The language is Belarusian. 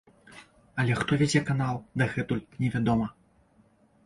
Але хто вядзе канал, дагэтуль невядома.